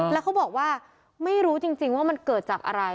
แล้วเขาบอกว่าไม่รู้จริงว่ามันเกิดจากอะไร